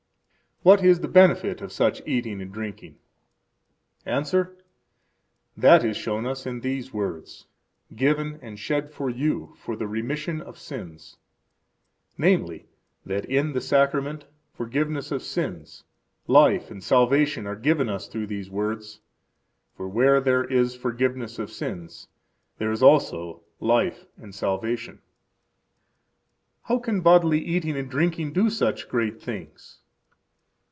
What is the benefit of such eating and drinking? –Answer: That is shown us in these words: Given, and shed for you, for the remission of sins; namely, that in the Sacrament forgiveness of sins, life, and salvation are given us through these words. For where there is forgiveness of sins, there is also life and salvation. How can bodily eating and drinking do such great things?